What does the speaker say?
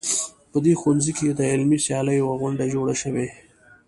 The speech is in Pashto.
په دې ښوونځي کې د علمي سیالیو یوه غونډه جوړه شوې